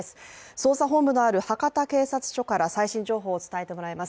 捜査本部のある博多警察署から最新情報を伝えてもらいます。